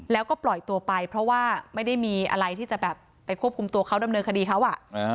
แล้วก็ปล่อยตัวไปเพราะว่าไม่ได้มีอะไรที่จะแบบไปควบคุมตัวเขาดำเนินคดีเขา